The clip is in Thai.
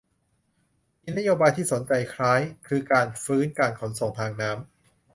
มีนโยบายที่สนใจคล้าย คือ การฟื้นการขนส่งทางน้ำ